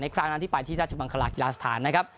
ครั้งนั้นที่ไปที่ราชมังคลากีฬาสถานนะครับ